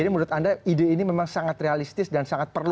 menurut anda ide ini memang sangat realistis dan sangat perlu